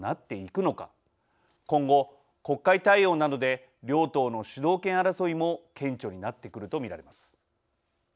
今後国会対応などで両党の主導権争いも顕著になってくると見られます。